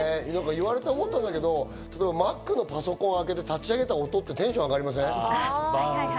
言われて思ったんだけど、Ｍａｃのパソコン開けて立ち上げた音ってテンション上がりません？